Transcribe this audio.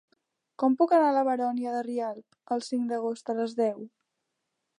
Com puc anar a la Baronia de Rialb el cinc d'agost a les deu?